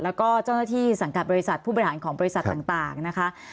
แล้วก็เจ้าหน้าที่สังกัดบริษัทผู้บริหารของบริษัทต่างนะคะ